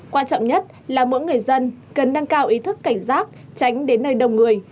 quan trọng nhất là mỗi người dân cần nâng cao ý thức cảnh giác tránh đến nơi đông người